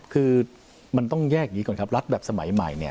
คือมันต้องแยกอย่างนี้ก่อนครับรัฐแบบสมัยใหม่เนี่ย